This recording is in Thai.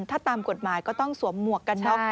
ถ้าตามกฎหมายก็ต้องสวมหมวกกันน็อก